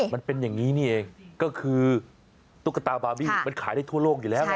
มันเป็นอย่างนี้นี่เองก็คือตุ๊กตาบาร์บี้มันขายได้ทั่วโลกอยู่แล้วไง